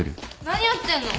何やってんの？